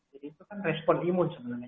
jadi itu kan respon imun sebenarnya